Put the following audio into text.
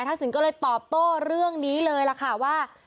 สินก็เลยตอบโต้เรื่องนี้เลยล่ะค่ะว่า